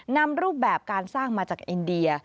รูปแบบการสร้างมาจากอินเดีย